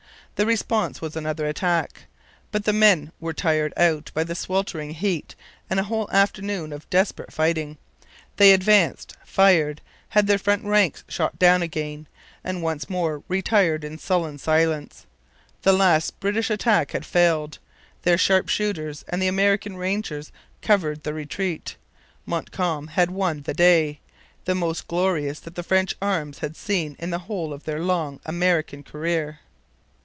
The response was another attack. But the men were tired out by the sweltering heat and a whole afternoon of desperate fighting. They advanced, fired, had their front ranks shot down again; and once more retired in sullen silence. The last British attack had failed. Their sharp shooters and the American rangers covered the retreat. Montcalm had won the day, the most glorious that French arms had seen in the whole of their long American career.